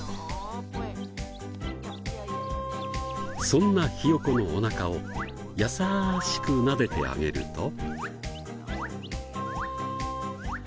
そんなヒヨコのおなかを優しくなでてあげると。